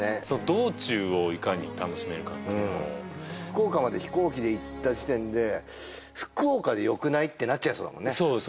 道中をいかに楽しめるかっていうのを福岡まで飛行機で行った時点で福岡でよくない？ってなっちゃいそうだもんね